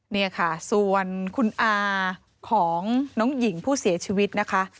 นี่ค่ะส่วนคุณอาของน้องหญิงผู้เสียชีวิตนะคะ